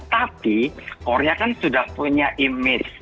tapi korea kan sudah punya image